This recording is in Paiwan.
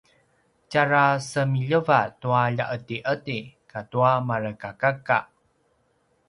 tjarasemiljeva tua lja’edi’edi katua marekakaka